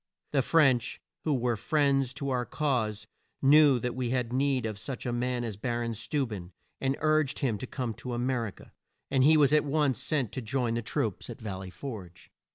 The French, who were friends to our cause, knew that we had need of such a man as Bar on Steu ben, and urged him to come to A mer i ca, and he was at once sent to join the troops at Val ley Forge.